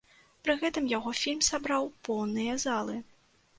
Пры гэтым яго фільм сабраў поўныя залы.